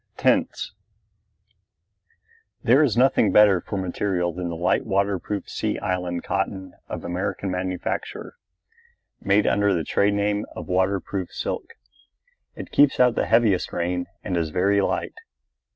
TENTS There is nothing better for material than the light waterproof Sea Island cotton of American manufacture, made under the trade name of waterproof silk. It keeps out the heaviest rain and is very light.